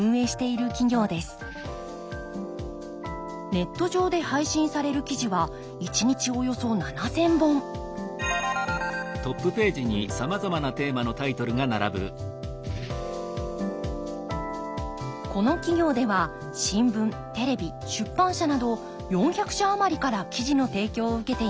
ネット上で配信される記事は一日およそ７，０００本この企業では新聞テレビ出版社など４００社余りから記事の提供を受けています。